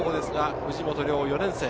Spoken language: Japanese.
藤本竜・４年生。